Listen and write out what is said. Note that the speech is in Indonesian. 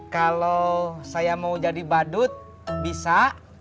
kalau saya mau jadi badut bisa